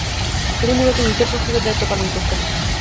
তিনি মূলতঃ উইকেট-রক্ষকের দায়িত্ব পালন করতেন।